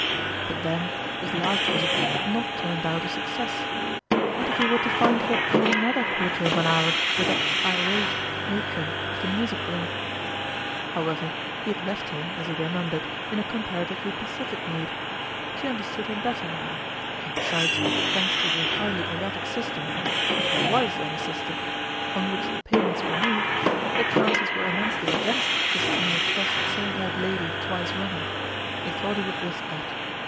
But then, his last visit had not turned out a success : what if he were to find he had drawn another quarter of an hour with that irate ma tron of the music room ? However, he had left her, as he remembered, in a comparatively pacific mood. She under 6 82 0nrmalin's stood him better now ; and besides, thanks to the highly erratic system (if there was any sys tem) on which the payments were made, the chances were immensely against his coming across the same old lady twice running. He thought he would risk that.